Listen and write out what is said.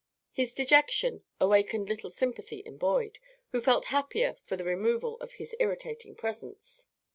His dejection awakened little sympathy in Boyd, who felt happier for the removal of his irritating presence.